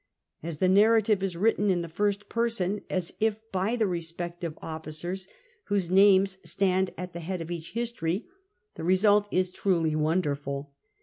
As the narrative is written in the first person, as if by the respective officers whose VI ffAlV^ESWORTff 73 names stand at the head tf each history, the result is truly wonderful.